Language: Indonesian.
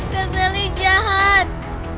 kak sally jahat